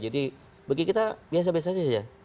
jadi bagi kita biasa biasa saja